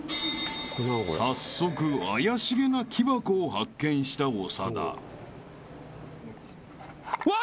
［早速怪しげな木箱を発見した長田］わ！